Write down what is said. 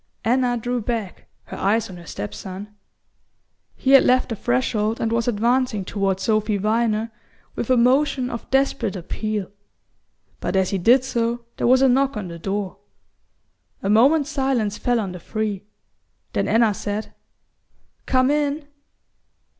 Anna drew back, her eyes on her step son. He had left the threshold and was advancing toward Sophy Viner with a motion of desperate appeal; but as he did so there was a knock on the door. A moment's silence fell on the three; then Anna said: "Come in!"